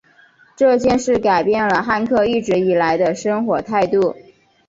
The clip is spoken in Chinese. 这件事改变了汉克一直以来的生活态度。